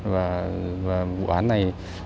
và vụ án này